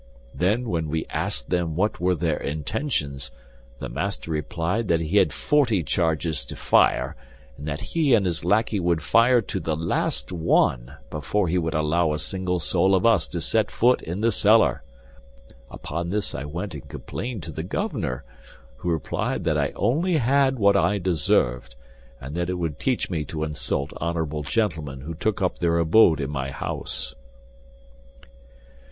Then, when we asked them what were their intentions, the master replied that he had forty charges to fire, and that he and his lackey would fire to the last one before he would allow a single soul of us to set foot in the cellar. Upon this I went and complained to the governor, who replied that I only had what I deserved, and that it would teach me to insult honorable gentlemen who took up their abode in my house."